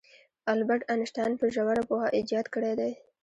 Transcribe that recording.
البرت انیشټین په ژوره پوهه ایجاد کړی دی.